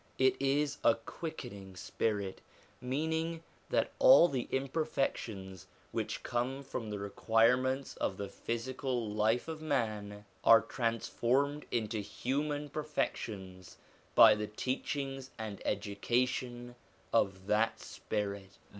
It is ; a quickening spirit ': meaning that all the imperfections which come from the requirements of the physical life of man, are transformed into human perfections by the teachings and education of that spirit.